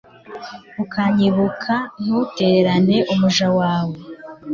ukanyibuka, ntutererane umuja wawe